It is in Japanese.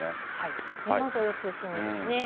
山沿いを中心にですね。